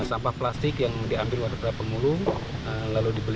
dan asing gondok dari warung sabuli